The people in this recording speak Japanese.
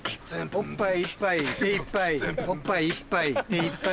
おっぱいいっぱい手いっぱい